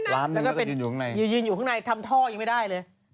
ล้านหนึ่งแล้วก็ยืนอยู่ข้างในยืนอยู่ข้างในทำท่อยังไม่ได้เลย